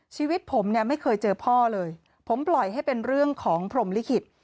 ชีวิตผมเนี่ยไม่เคยเจอพ่อเลยผมปล่อยให้เป็นเรื่องของพรมลิขิต